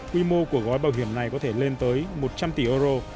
quy mô của gói bảo hiểm này có thể lên tới một trăm linh tỷ euro